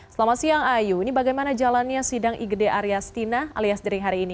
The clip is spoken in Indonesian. selamat siang ayu ini bagaimana jalannya sidang igd arya stina alias dering hari ini